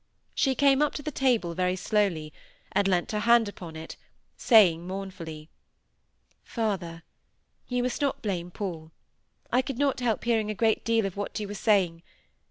She came up to the table very slowly, and leant her hand upon it, saying mournfully,— "Father, you must not blame Paul. I could not help hearing a great deal of what you were saying.